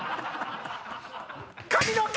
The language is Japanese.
髪の毛！